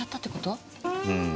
うん。